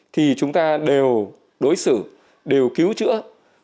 thì chúng ta đều đối xử đều cứu chữa